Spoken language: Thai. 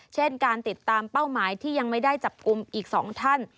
เช่นการติดตามเป้าหมายที่ยังไม่ได้จับกลุ่มอีก๒ท่าน